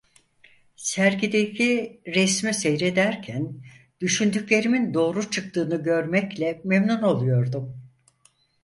Sergideki resmi seyrederken düşündüklerimin doğru çıktığını görmekle memnun oluyordum.